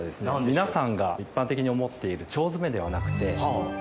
皆さんが一般的に思っている腸詰めではなくて。